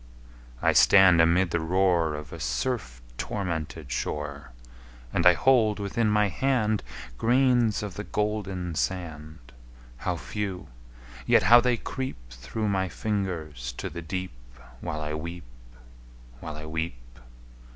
I stand amid the roar Of a surf tormented shore, And I hold within my hand Grains of the golden sand How few! yet how they creep Through my fingers to the deep While I weep while I weep!